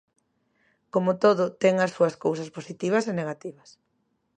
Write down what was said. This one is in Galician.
Como todo ten as súas cousas positivas e negativas.